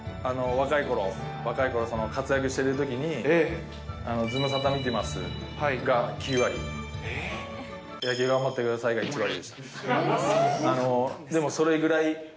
若いころ、若いころ、活躍しているときに、ズムサタ見てますが９割、野球頑張ってくださいが１割でした。